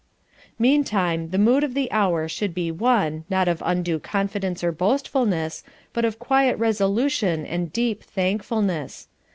"Meantime the mood of the hour should be one, not of undue confidence or boastfulness, but of quiet resolution and deep thankfulness.